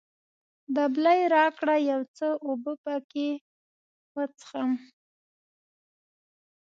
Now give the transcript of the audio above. دبلی راکړه، یو څه اوبه پکښې وڅښم.